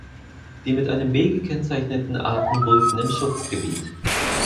Die mit einem (b) gekennzeichneten Arten brüten im Schutzgebiet.